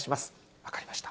分かりました。